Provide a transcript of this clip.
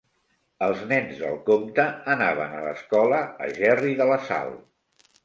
Els nens del Comte anaven a l'escola a Gerri de la Sal.